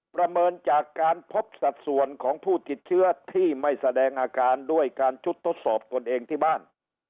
ประเมินจากการพบสัดส่วนของผู้ติดเชื้อที่ไม่แสดงอาการด้วยการชุดทดสอบตนเองที่บ้าน